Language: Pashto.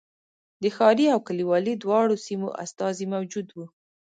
د ښاري او کلیوالي دواړو سیمو استازي موجود و.